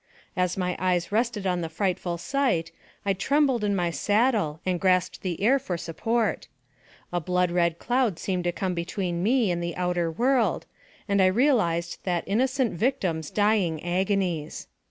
As my eyes rested on the frightful sight, I trembled in my saddle and grasped the air for support. A blood red cloud seemed to come between me and the outer world, and I realized that innocent victim's dying agonies.